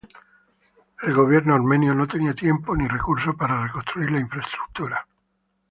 El gobierno armenio no tenía tiempo, ni recursos, para reconstruir la infraestructura.